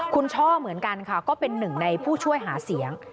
คุณช่อเหมือนกันค่ะก็เป็นหนึ่งในผู้ช่วยหาเสียง